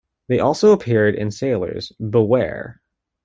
They also appeared in Sailors, Beware!